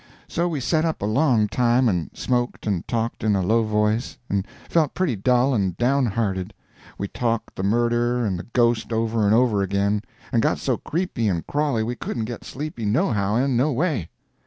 So we set up a long time, and smoked and talked in a low voice, and felt pretty dull and down hearted. We talked the murder and the ghost over and over again, and got so creepy and crawly we couldn't get sleepy nohow and noway.